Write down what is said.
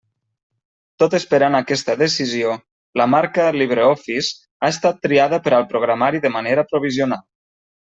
Tot esperant aquesta decisió, la marca “LibreOffice” ha estat triada per al programari de manera provisional.